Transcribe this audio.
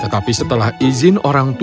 tetapi setelah izin orang tua